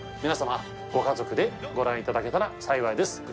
皆様ご家族でご覧いただけたら幸いです。